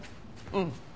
うん。